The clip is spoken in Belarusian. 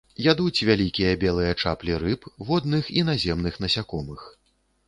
Ядуць вялікія белыя чаплі рыб, водных і наземных насякомых.